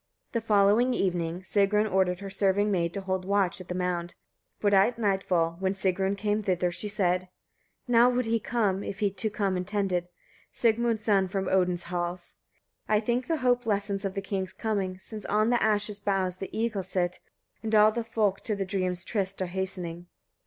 The following evening Sigrun ordered her serving maid to hold watch at the mound; but at nightfall, when Sigrun came thither, she said: 48. Now would he come, if he to come intended, Sigmund's son, from Odin's halls. I think the hope lessens of the king's coming, since on the ash's boughs the eagles sit, and all the folk to the dreams' tryst are hastening.